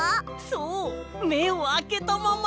そうめをあけたまま！